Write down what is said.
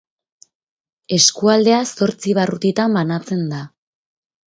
Eskualdea zortzi barrutitan banatzen da.